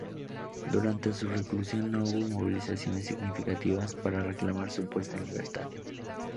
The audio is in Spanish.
Durante su reclusión no hubo movilizaciones significativas para reclamar su puesta en libertad.